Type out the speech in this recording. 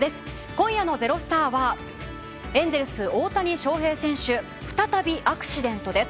今夜の「＃ｚｅｒｏｓｔａｒ」はエンゼルス、大谷翔平選手。再びアクシデントです。